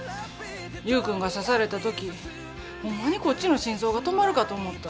優君が刺されたときホンマにこっちの心臓が止まるかと思った。